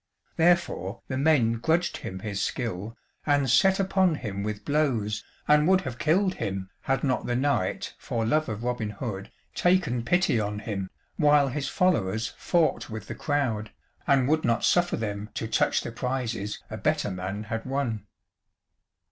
Therefore the men grudged him his skill, and set upon him with blows, and would have killed him, had not the knight, for love of Robin Hood, taken pity on him, while his followers fought with the crowd, and would not suffer them to touch the prizes a better man had won.